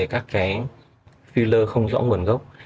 các cái filler không rõ nguồn gốc